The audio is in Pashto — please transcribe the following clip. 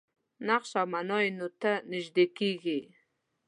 نقش او معنا یې نو ته نژدې کېږي.